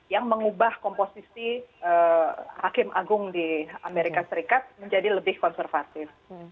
yang mengubah komposisi hakim agung di amerika serikat menjadi lebih konservatif